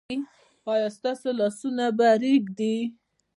ایا ستاسو لاس به ریږدي؟